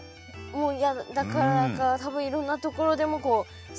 もうやだだからか多分いろんなところでもそうね。